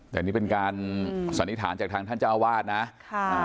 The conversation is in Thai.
แต่นี่เป็นการสันนิษฐานจากทางท่านเจ้าอาวาสนะค่ะ